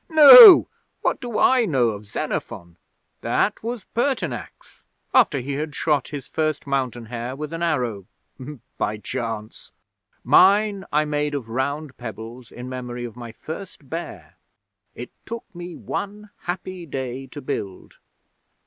'No! What do I know of Xenophon? That was Pertinax after he had shot his first mountain hare with an arrow by chance! Mine I made of round pebbles, in memory of my first bear. It took me one happy day to build.'